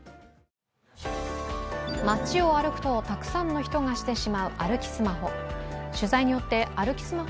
街を歩くとたくさんの人がしてしまう歩きスマホ。